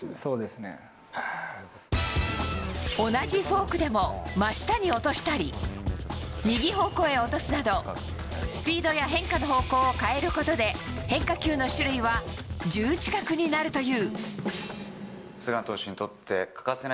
同じフォークでも真下に落としたり右方向へ落とすなどスピードや変化の方向を変えることで変化球の種類は１０近くになるという。